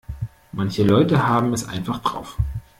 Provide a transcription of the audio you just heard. Manche Leute haben es einfach drauf.